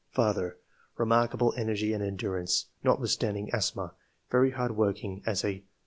" Father — Eemarkable energy and endurance, notwithstanding asthma : very hardworking as a